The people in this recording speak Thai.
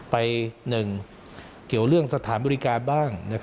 หนึ่งเกี่ยวเรื่องสถานบริการบ้าง